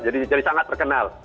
jadi sangat terkenal